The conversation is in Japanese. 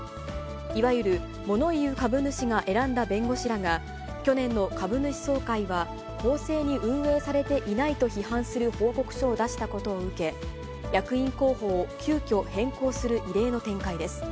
いわゆるもの言う株主が選んだ弁護士らが、去年の株主総会は公正に運営されていないと批判する報告書を出したことを受け、役員候補を急きょ変更する異例の展開です。